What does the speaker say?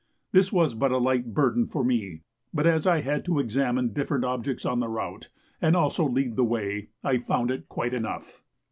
This was but a light burden for me, but as I had to examine different objects on the route, and also to lead the way, I found it quite enough.